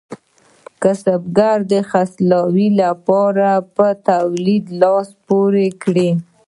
کسبګرو د خرڅلاو لپاره په تولید لاس پورې کړ.